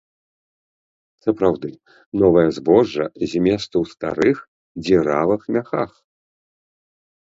Сапраўды, новае збожжа зместу ў старых, дзіравых мяхах!